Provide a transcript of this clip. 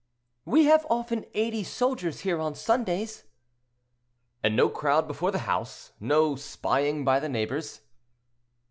"—"We have often eighty soldiers here, on Sundays." "And no crowd before the house—no spying by the neighbors?"